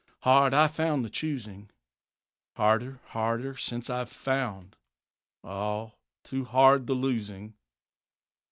Hard I found the choosing; Harder, harder since I've found, Ah, too hard the losing.